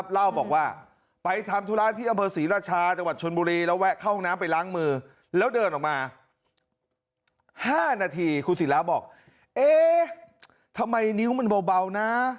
ล้างมือแล้วเดินออกมา๕นาทีคุณสีระบอกเอ๊ทำไมนิ้วมันเบานะ